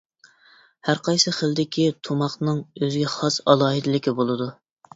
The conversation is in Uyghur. ھەر قايسى خىلدىكى تۇماقنىڭ ئۆزىگە خاس ئالاھىدىلىكى بولىدۇ.